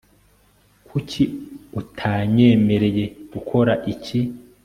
kuki utanyemereye gukora iki